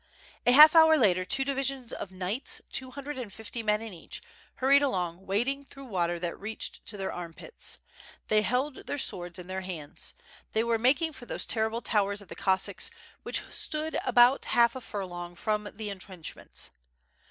A half hour later two divisions of knights, two hundred and fifty men in each, hurried along wading through water that reached to their armpits. They held their swords in their hands. They were making for those terrible towers of the Cossacks, which stood about half a furlong from the in trenchments.